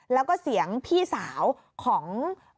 แล้วก็เสียงพี่สาวของ